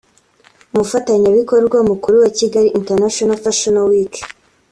umufatanyabikorwa mukuru wa Kigali International Fashion Week